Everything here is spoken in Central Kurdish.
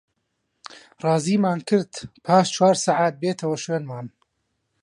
ڕازیمان کرد پاش چوار سەعات بێتەوە شوێنمان